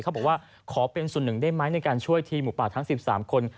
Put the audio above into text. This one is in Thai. เขาบอกว่าขอเป็นส่วนหนึ่งได้ไหมในการช่วยทีมหมูป่าทั้ง๑๓คน